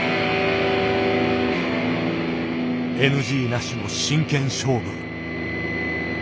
ＮＧなしの真剣勝負。